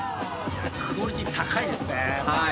クオリティー高いですね。